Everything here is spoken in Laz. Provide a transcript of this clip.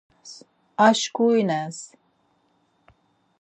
Aşǩurines.